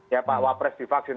ya pak wapres divaksin